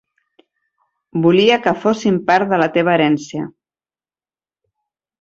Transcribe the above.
Volia que fossin part de la teva herència.